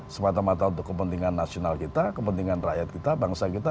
semata mata untuk kepentingan nasional kita kepentingan rakyat kita bangsa kita